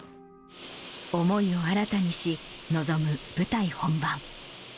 思いを新たにし、臨む舞台本番。